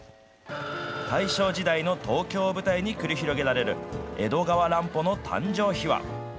大正時代の東京を舞台に繰り広げられる江戸川乱歩の誕生秘話。